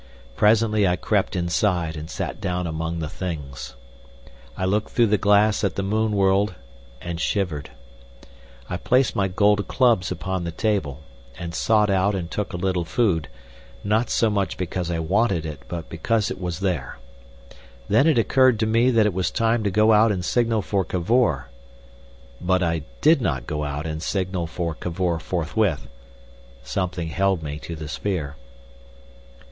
Presently I crept inside and sat down among the things. I looked through the glass at the moon world and shivered. I placed my gold clubs upon the table, and sought out and took a little food; not so much because I wanted it, but because it was there. Then it occurred to me that it was time to go out and signal for Cavor. But I did not go out and signal for Cavor forthwith. Something held me to the sphere.